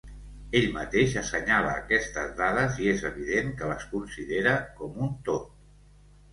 Ell mateix assenyala aquestes dades i és evident que les considera com un tot.